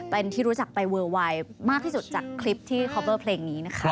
เป็นที่รู้จักไปเวอร์ไวน์มากที่สุดจากคลิปที่คอปเบอร์เพลงนี้นะคะ